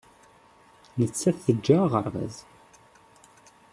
Nettat teǧǧa aɣerbaz.